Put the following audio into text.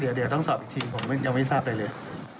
เดี๋ยวต้องสอบอีกทีผมยังไม่ทราบอะไรเลย